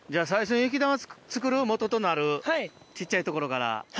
最初雪玉作るもととなる小っちゃいところから。